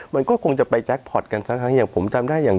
มันก็คงจะไปแจ็คพอร์ตกันสักครั้งอย่างผมจำได้อย่าง